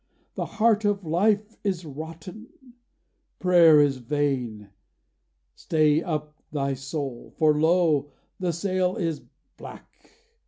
The heart of life is rotten; prayer is vain. Stay up thy soul: for lo! the sail is black.